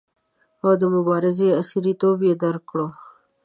او د مبارزې عصریتوب یې درک کړو.